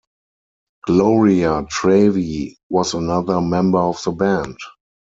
Gloria Trevi was another member of the band.